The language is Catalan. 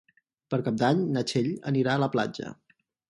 Per Cap d'Any na Txell anirà a la platja.